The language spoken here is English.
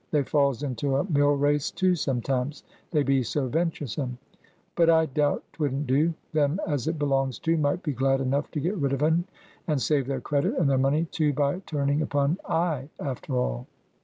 They falls into a mill race too sometimes. They be so venturesome. But I doubt 'twouldn't do. Them as it belongs to might be glad enough to get rid of un, and save their credit and their money too by turning upon I after all."